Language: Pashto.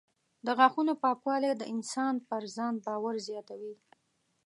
د غاښونو پاکوالی د انسان پر ځان باور زیاتوي.